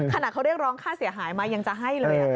ขนาดเขาเรียกร้องค่าเสียหายมายังจะให้เลย